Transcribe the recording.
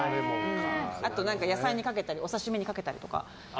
あとは、野菜にかけたりお刺し身にかけたりとか。